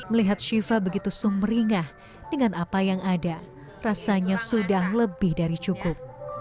melihat shiva begitu sumeringah dengan apa yang ada rasanya sudah lebih dari cukup